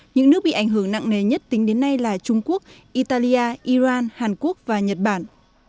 những nước bị ảnh hưởng nặng nề nhất tính đến nay là trung quốc italia iran hàn quốc và nhật bản